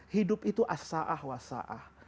hidup itu asa'ah wasa'ah